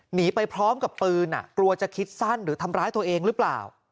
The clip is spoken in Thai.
หนีไปพร้อมกับปืนกลัวจะคิดสั้นหรือทำร้ายตัวเองหรือเปล่า